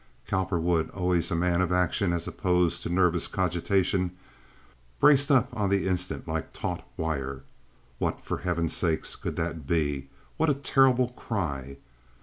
Cowperwood, always the man of action as opposed to nervous cogitation, braced up on the instant like taut wire. What, for heaven's sake, could that be? What a terrible cry!